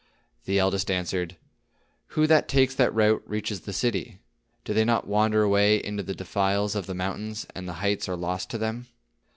The eldest answered: "Who that takes that route reaches the city? Do they not wander away into the defiles of the mountains, and the heights are lost to them?